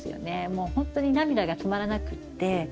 もうほんとに涙が止まらなくって。